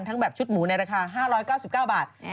แบบชุดหมูในราคา๕๙๙บาท